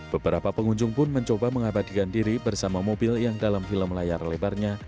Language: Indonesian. beberapa pengunjung pun mencoba mengabadikan diri bersama mobil yang dalam film layar lebarnya